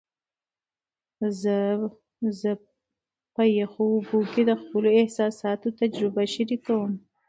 زه په یخو اوبو کې د خپلو احساساتو تجربه شریکوم.